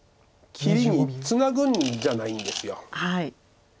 切りにツナぐんじゃないんです。